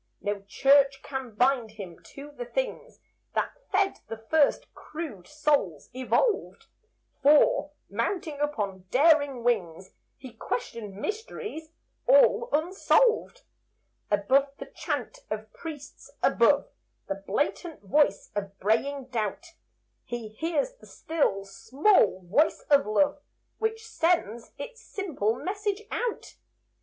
No church can bind him to the things That fed the first crude souls, evolved; For, mounting up on daring wings, He questions mysteries all unsolved. Above the chant of priests, above The blatant voice of braying doubt, He hears the still, small voice of Love, Which sends its simple message out.